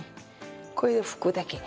これで拭くだけで。